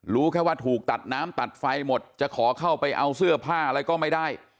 รู้แค่ว่าถูกตัดน้ำตัดไฟหมดจะขอเข้าไปเอาเสื้อผ้าอะไรก็ไม่ได้